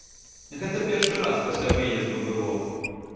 Гэта першы раз пасля выезду было.